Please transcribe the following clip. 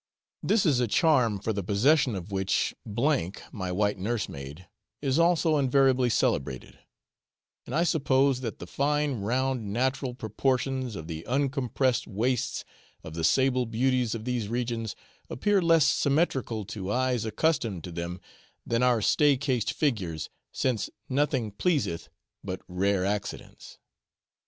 This is a charm for the possession of which M (my white nursemaid) is also invariably celebrated; and I suppose that the fine round natural proportions of the uncompressed waists of the sable beauties of these regions appear less symmetrical to eyes accustomed to them than our stay cased figures, since 'nothing pleaseth but rare accidents.'